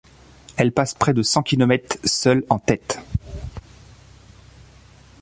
Elle passe près de cent kilomètres seule en tête.